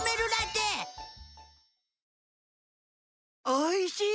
おいしい！